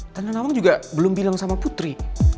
karena nawang juga belum bilang sama putri